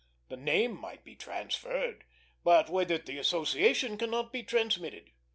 The name might be transferred, but with it the association cannot be transmitted.